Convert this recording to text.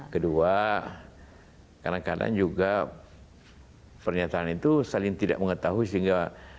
kedua kadang kadang juga pernyataan itu saling tidak mengetahui sehingga